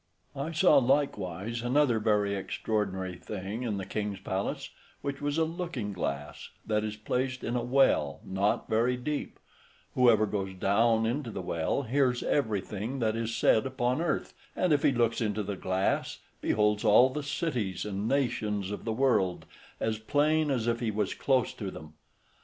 I saw likewise another very extraordinary thing in the king's palace, which was a looking glass that is placed in a well not very deep; whoever goes down into the well hears everything that is said upon earth, and if he looks into the glass, beholds all the cities and nations of the world as plain as if he was close to them.